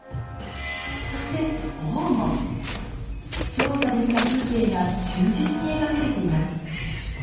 調査で見た風景が忠実に描かれています。